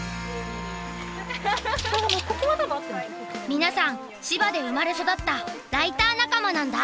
皆さん千葉で生まれ育ったライター仲間なんだ。